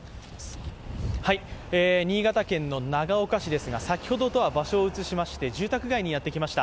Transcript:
新潟県の長岡市ですが、先ほどとは場所を移しまして住宅街にやってきました。